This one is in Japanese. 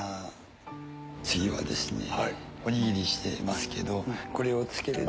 次はですねおにぎりしてますけど。これをつけると。